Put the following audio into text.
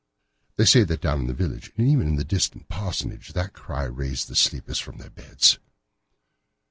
They say that away down in the village, and even in the distant parsonage, that cry raised the sleepers from their beds.